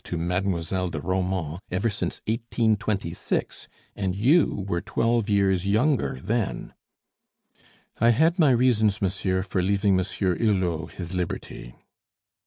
to Mademoiselle de Romans ever since 1826, and you were twelve years younger then " "I had my reasons, monsieur, for leaving Monsieur Hulot his liberty."